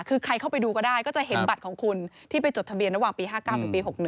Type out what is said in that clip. คือใครเข้าไปดูก็ได้ก็จะเห็นบัตรของคุณที่ไปจดทะเบียนระหว่างปี๕๙ถึงปี๖๑